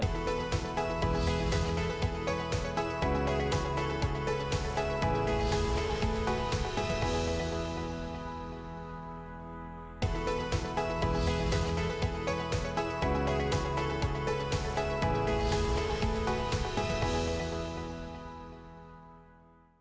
sebenarnya roupa pemanis